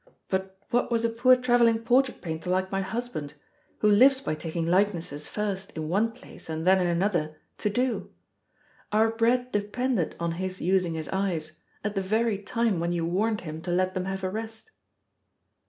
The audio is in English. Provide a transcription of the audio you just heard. "But what was a poor traveling portrait painter like my husband, who lives by taking likenesses first in one place and then in another, to do? Our bread depended on his using his eyes, at the very time when you warned him to let them have a rest."